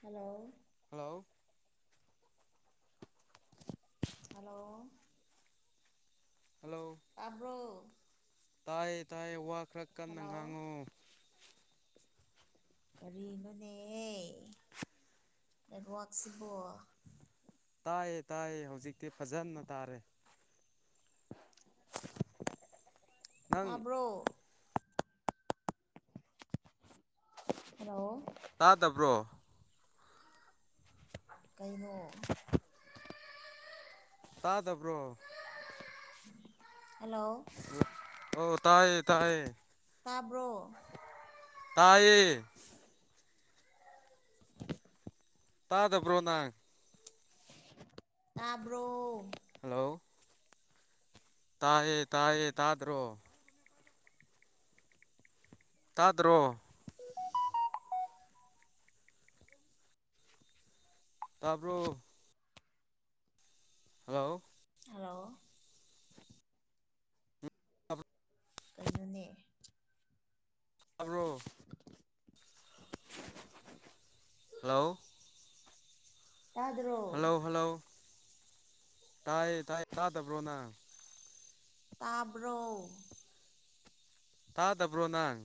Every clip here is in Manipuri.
ꯍꯜꯂꯣ ꯍꯜꯂꯣ ꯍꯜꯂꯣ ꯍꯜꯂꯣ ꯇꯥꯕ꯭ꯔꯣ ꯇꯥꯏꯌꯦ ꯇꯥꯏꯌꯦ ꯋꯥꯥ ꯍꯜꯂꯣ ꯀꯔꯤꯅꯣꯅꯦ ꯅꯦꯠꯋꯥꯛꯁꯤꯕꯣ ꯇꯥꯏꯌꯦ ꯇꯥꯏꯌꯦ ꯍꯧꯖꯤꯛꯇꯤ ꯐꯖꯟꯅ ꯇꯥꯔꯦ ꯅꯪ ꯇꯥꯕ꯭ꯔꯣ ꯍꯜꯂꯣ ꯇꯥꯗꯕ꯭ꯔꯣ ꯀꯩꯅꯣ ꯇꯥꯗꯕ꯭ꯔꯣ ꯍꯜꯂꯣ ꯑꯣ ꯇꯥꯏꯌꯦ ꯇꯥꯏꯌꯦ ꯇꯥꯕ꯭ꯔꯣ ꯇꯥꯏꯌꯦ ꯇꯥꯗꯕ꯭ꯔꯣ ꯅꯪ ꯇꯥꯕ꯭ꯔꯣ ꯍꯜꯂꯣ ꯇꯥꯏꯌꯦ ꯇꯥꯏꯌꯦ ꯇꯥꯗ꯭ꯔꯣ꯫ ꯇꯥꯗꯔꯣ꯫ [inaudible] [inaudible] ꯇꯥꯔꯕꯣ꯫ ꯍꯜꯂꯣ ꯍꯜꯂꯣ ꯀꯩꯅꯣꯅꯦ ꯇꯥꯕ꯭ꯔꯣ꯫ [inaudible] [inaudible] ꯍꯜꯂꯥꯎ ꯇꯥꯗ꯭ꯔꯣ꯫ ꯍꯜꯂꯥꯎ ꯍꯜꯂꯥꯎ ꯇꯥꯏꯌꯦ ꯇꯥꯏ ꯇꯥꯗꯕ꯭ꯔꯣ ꯅꯪ꯫ ꯇꯥꯕ꯭ꯔꯣ꯫ ꯇꯥꯗꯕ꯭ꯔꯣ ꯅꯪ꯫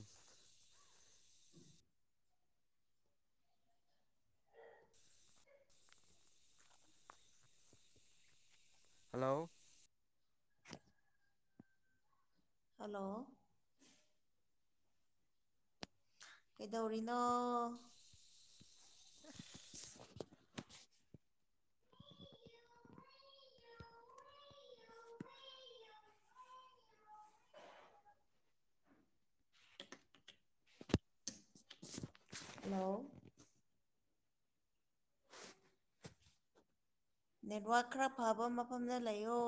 ꯍꯜꯂꯣ ꯍꯜꯂꯣ ꯀꯩꯗꯧꯔꯤꯅꯣ꯫ [inaudible] ꯍꯜꯂꯣ ꯅꯦꯠꯋꯥꯛ ꯈꯔ ꯐꯕ ꯃꯐꯝꯗ ꯂꯩꯌꯣ꯫